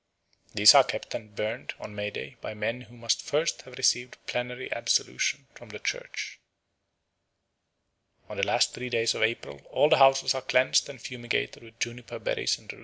These are kept and burned on May Day by men who must first have received plenary absolution from the Church. On the last three days of April all the houses are cleansed and fumigated with juniper berries and rue.